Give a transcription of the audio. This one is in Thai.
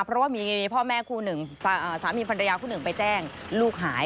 เพราะว่ามีพ่อแม่คู่หนึ่งสามีภรรยาคู่หนึ่งไปแจ้งลูกหาย